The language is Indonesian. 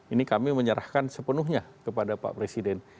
ini kami menyerahkan sepenuhnya kepada pak presiden